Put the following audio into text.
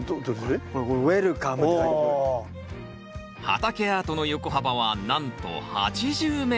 畑アートの横幅はなんと８０ｍ。